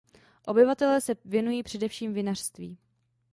Obyvatelé se věnují především vinařství.